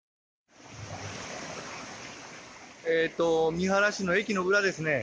三原市の駅の裏ですね。